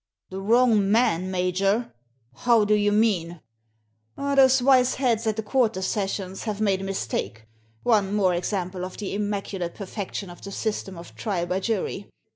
" The wrong man, major ! How do you mean ?"" Those wise heads at the Quarter Sessions have made a mistake— one more example of the im maculate perfection of the system of trial by jury.